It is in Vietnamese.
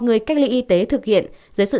người cách lấy y tế thực hiện dưới sự